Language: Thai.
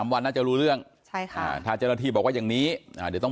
๓วันน่าจะรู้เรื่องใช่ค่ะทาจรฐีบอกว่าอย่างนี้อ่าเดี๋ยวต้อง